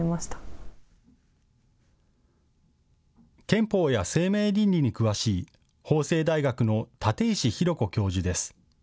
憲法や生命倫理に詳しい法政大学の建石真公子教授です。